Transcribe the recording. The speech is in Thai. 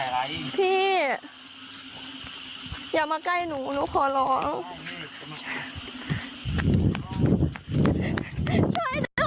อุ้ยทีนี้มันน่ากลัวเหลือเกินค่ะ